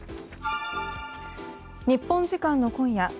日本時間の今夜